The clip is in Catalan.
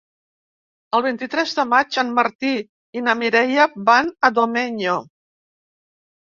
El vint-i-tres de maig en Martí i na Mireia van a Domenyo.